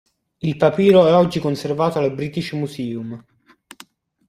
Il papiro è oggi conservato al British Museum.